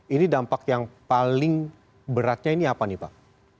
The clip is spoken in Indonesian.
ini dampak yang paling beratnya ini apa nih pak